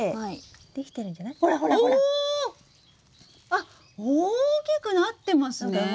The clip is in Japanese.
あっ大きくなってますね！